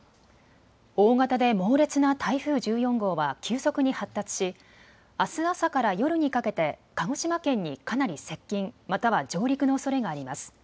大型で猛烈な台風１４号は急速に発達しあす朝から夜にかけて鹿児島県にかなり接近、または上陸のおそれがあります。